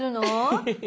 エヘヘヘ。